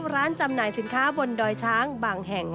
ร้านจำหน่ายสินค้าบนดอยช้างบางแห่ง